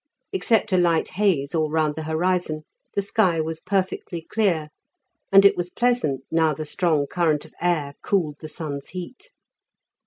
Except a light haze all round the horizon, the sky was perfectly clear, and it was pleasant now the strong current of air cooled the sun's heat.